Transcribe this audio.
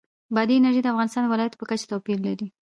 بادي انرژي د افغانستان د ولایاتو په کچه توپیر لري.